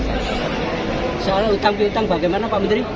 soalnya utang utang bagaimana pak menteri